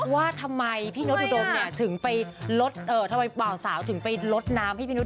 ว่าทำไมพี่โน๊ตอุดมแม่ทำไมเปล่าสาวถึงไปลดน้ำให้พี่โน๊ตอุดม